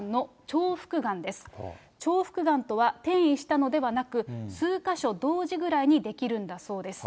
重複がんとは、転移したのではなく、数か所同時ぐらいに出来るんだそうです。